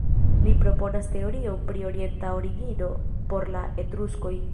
Li proponas teorion pri orienta origino por la Etruskoj.